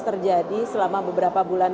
terjadi selama beberapa bulan